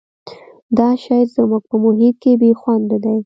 دا شی زموږ په محیط کې بې خونده دی.